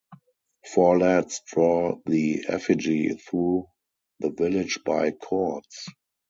Four lads draw the effigy through the village by cords.